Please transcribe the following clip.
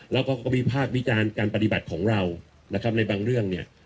แล้วก็วิพากษ์วิจารณ์การปฏิบัติของเรานะครับในบางเรื่องเนี่ย